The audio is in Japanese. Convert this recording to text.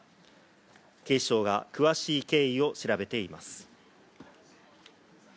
警視庁が詳しい経緯を調べています。